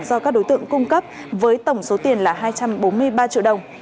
do các đối tượng cung cấp với tổng số tiền là hai trăm bốn mươi ba triệu đồng